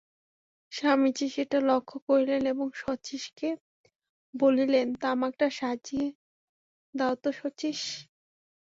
স্বামীজি সেটা লক্ষ্য করিলেন এবং শচীশকে বলিলেন, তামাকটা সাজিয়া দাও তো শচীশ।